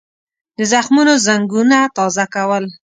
د زخمونو زنګونه تازه کول.